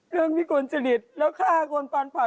เรื่องพี่กลจริตแล้วฆ่าคนป่าน